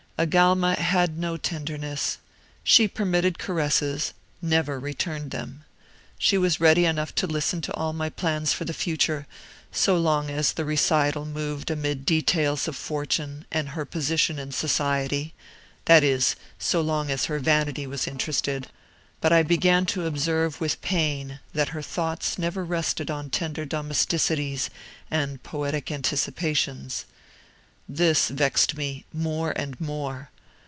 Agalma had no tenderness. She permitted caresses, never returned them. She was ready enough to listen to all my plans for the future, so long as the recital moved amid details of fortune and her position in society that is, so long as her vanity was interested; but I began to observe with pain that her thoughts never rested on tender domesticities and poetic anticipations. This vexed me more and more.